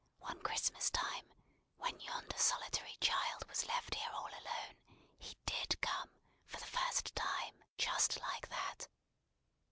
One Christmas time, when yonder solitary child was left here all alone, he did come, for the first time, just like that.